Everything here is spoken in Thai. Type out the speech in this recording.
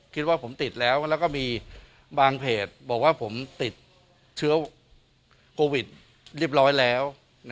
คิดว่าผมติดแล้วแล้วก็มีบางเพจบอกว่าผมติดเชื้อโควิดเรียบร้อยแล้ว